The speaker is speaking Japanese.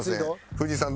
藤井さん